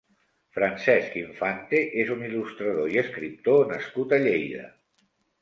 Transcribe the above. Francesc Infante és un il·lustrador i escriptor nascut a Lleida.